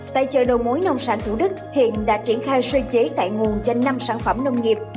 tại chợ đầu mối nông sản thủ đức hiện đã triển khai sơ chế tại nguồn cho năm sản phẩm nông nghiệp